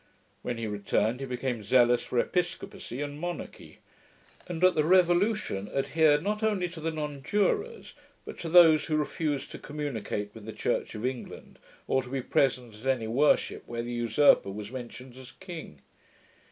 When he returned, he became zealous for episcopacy and monarchy; and at the Revolution adhered not only to the Nonjurors, but to those who refused to communicate with the Church of England, or to be present at any worship where the usurper was mentioned as king.